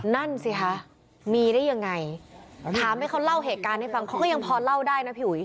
นั่นสิคะมีได้ยังไงถามให้เขาเล่าเหตุการณ์ให้ฟังเขาก็ยังพอเล่าได้นะพี่อุ๋ย